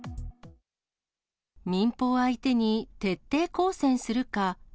民放相手に徹底抗戦するか。